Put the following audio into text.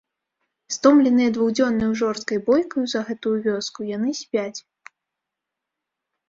Стомленыя двухдзённаю жорсткай бойкаю за гэтую вёску, яны спяць.